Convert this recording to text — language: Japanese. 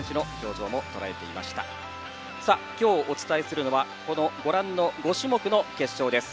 今日お伝えするのはご覧の５種目の決勝です。